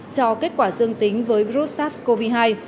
cho kết quả dương tính với virus sars cov hai